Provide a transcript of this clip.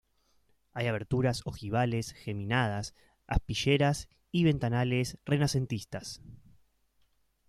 Hay aberturas ojivales geminadas, aspilleras y ventanales renacentistas.